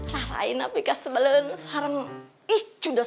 rarain apika sebelun sarang ih